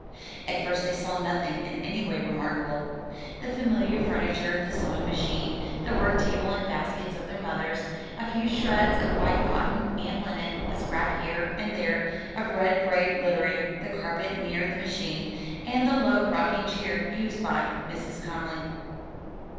At first they saw nothing in any way remarkable the familiar furniture, the sewing machine, the work table and baskets of their mothers, a few shreds of white cotton and linen, a scrap here and there of red braid littering the carpet near the machine, and the low rocking chair used by Mrs. Conly.